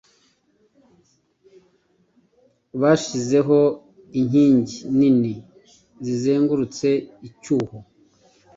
Bashizeho inkingi nini zizengurutse Icyuho